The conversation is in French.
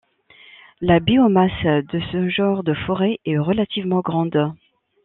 La biomasse de ce genre de forêt est relativement grande.